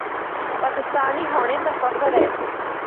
پاکستانی ہونڑے تے فخر اے۔